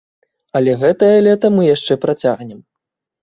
Але гэтае лета мы яшчэ працягнем.